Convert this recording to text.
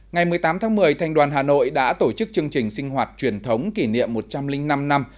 ngày một mươi tám tháng một mươi thành đoàn hà nội đã tổ chức chương trình sinh hoạt truyền thống kỷ niệm một trăm linh năm năm